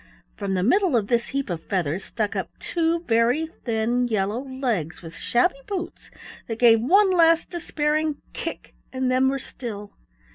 From the middle of this heap of feathers stuck up two very thin yellow legs with shabby boots that gave one last despairing kick and then were still.